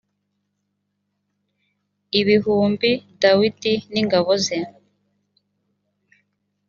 ibihumbi dawidi n ingabo ze